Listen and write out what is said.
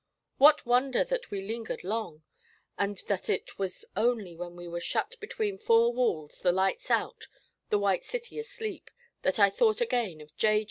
What wonder that we lingered long, and that it was only when we were shut between four walls, the lights out, the White City asleep, that I thought again of J.